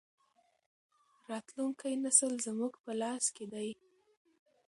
راتلونکی نسل زموږ په لاس کې دی.